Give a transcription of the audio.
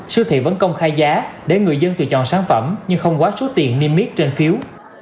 siêu thị vẫn công khai giá để người dân tự chọn sản phẩm nhưng không quá số tiền niêm yết trên phiếu